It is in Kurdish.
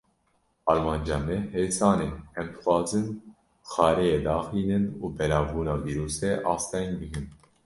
Armanca me hêsan e, em dixwazin xareyê daxînin, û belavbûna vîrusê asteng bikin.